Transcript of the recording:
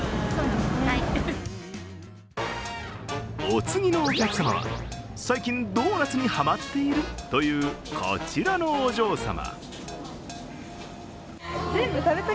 お次のお客様は、最近ドーナツにハマっているというこちらのお嬢様。